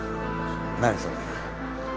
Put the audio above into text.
何それ？